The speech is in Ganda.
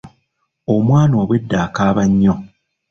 Omwana obwedda akaaba nnyo.